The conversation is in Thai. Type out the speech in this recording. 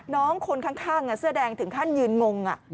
น้องคนข้างเสื้อแดงถึงขั้นยืนงง